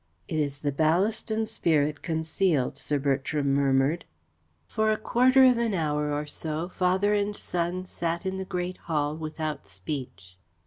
"It is the Ballaston spirit concealed," Sir Bertram murmured. For a quarter of an hour or so father and son sat in the great hall without speech.